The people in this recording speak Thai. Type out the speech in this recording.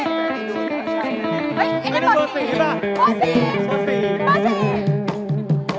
โอ้โฮ